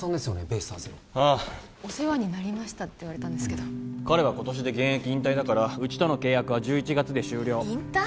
ベイスターズのああお世話になりましたって言われたんですけど彼は今年で現役引退だからうちとの契約は１１月で終了引退？